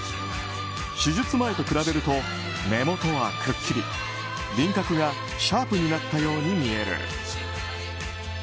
手術前と比べると目元はくっきり輪郭がシャープになったように見える。